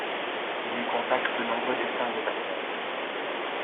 Il lui consacre de nombreux dessins et pastels.